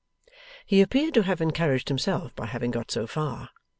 He appeared to have encouraged himself by having got so far.